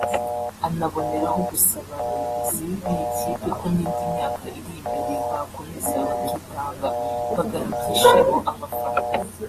anaboneraho gusaba abayobozi b’iyi kipe ko n’indi myaka iri imbere bakomeza bakitanga bagaha ibyishimo abafana